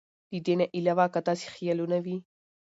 د دې نه علاوه کۀ داسې خيالونه وي